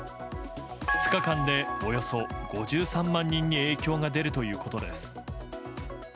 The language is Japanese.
２日間でおよそ５３万人に影響が出るということです。